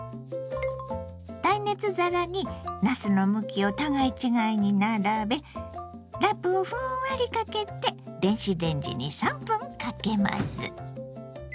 耐熱皿になすの向きを互い違いに並べラップをふんわりかけて電子レンジに３分かけます。